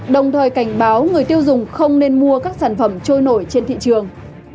đồng thời cảnh báo người tiêu dùng không nên mua các sản phẩm trôi nổi trên thị trường